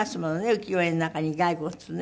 浮世絵の中に骸骨ね。